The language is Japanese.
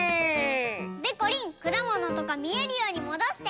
でこりんくだものとかみえるようにもどして！